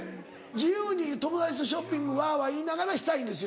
自由に友達とショッピングわわ言いながらしたいんですよ。